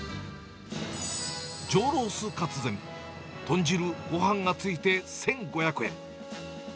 上ロースかつ膳、豚汁、ごはんがついて１５００円。